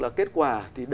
là kết quả